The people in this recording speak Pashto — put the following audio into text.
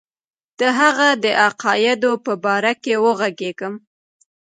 د هغه د عقایدو په باره کې وږغېږم.